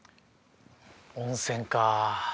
温泉か。